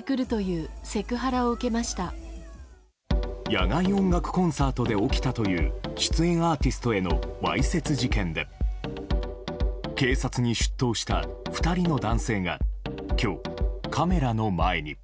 野外音楽コンサートで起きたという出演アーティストへのわいせつ事件で警察に出頭した２人の男性が今日、カメラの前に。